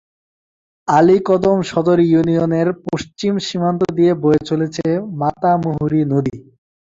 আলীকদম সদর ইউনিয়নের পশ্চিম সীমান্ত দিয়ে বয়ে চলেছে মাতামুহুরী নদী।